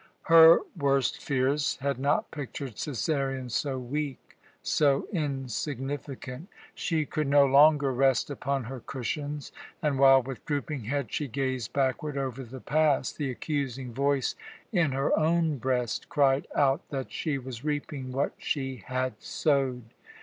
Her worst fears had not pictured Cæsarion so weak, so insignificant. She could no longer rest upon her cushions; and while, with drooping head, she gazed backward over the past, the accusing voice in her own breast cried out that she was reaping what she had sowed.